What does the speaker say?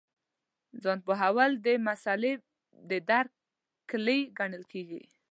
ځان پوهول د مسألې د درک کیلي ګڼل کېږي.